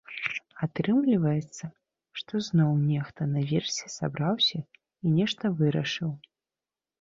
Атрымліваецца, што зноў нехта наверсе сабраўся і нешта вырашыў.